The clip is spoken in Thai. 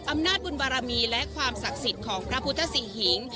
อำนาจบุญบารมีและความศักดิ์สิทธิ์ของพระพุทธศรีหิง